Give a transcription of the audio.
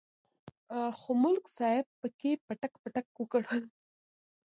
خو ملک صاحب پکې پټک پټک وکړ.